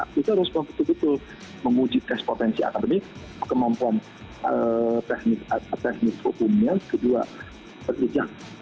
kita harus memuji test potensi atas kemampuan teknik hukumnya kedua